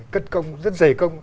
cất công rất dày công